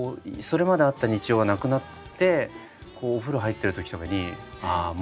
それまであった日常がなくなってこうお風呂入ってる時とかにあ